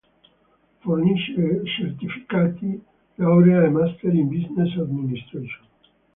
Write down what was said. Fornisce certificati, laurea e Master in Business Administration.